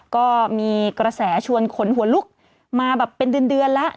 ก็มีกระแสชวนขนหัวลุกมาแบบเป็นเดือนแล้ว